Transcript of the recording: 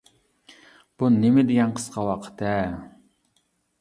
بۇ نېمە دېگەن قىسقا ۋاقىت، ھە!